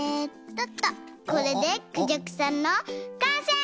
これでクジャクさんのかんせい！